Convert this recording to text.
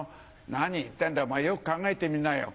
何言ってんだよお前よく考えてみなよ。